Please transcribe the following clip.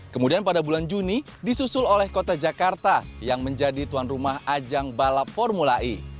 kemudian pada bulan juni disusul oleh kota jakarta yang menjadi tuan rumah ajang balap formula e